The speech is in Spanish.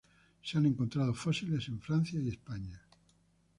Se han encontrado fósiles en Francia y España.